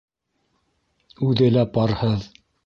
Үҙе лә парһыҙ.